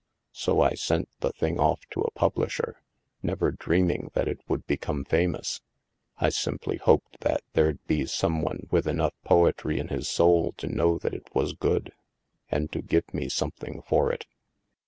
So I sent the thing off to a pub lisher, never dreaming that it would become famous — I simply hoped that there'd be some one with enough poetry in his soul to know that it was good and to give me something for it.